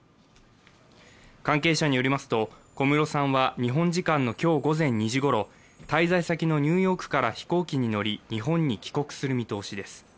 関係者によりますと小室さんは日本時間の午前２時ごろ滞在先のニューヨークから飛行機に乗り、日本に帰国する見通しです